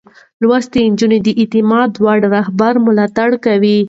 لوستې نجونې د اعتماد وړ رهبرۍ ملاتړ کوي.